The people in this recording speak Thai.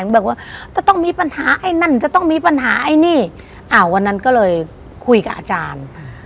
บอกว่าจะต้องมีปัญหาไอ้นั่นจะต้องมีปัญหาไอ้นี่อ้าววันนั้นก็เลยคุยกับอาจารย์